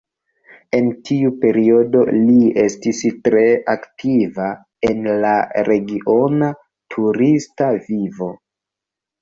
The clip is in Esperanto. En tiu periodo li estis tre aktiva en la regiona turista vivo.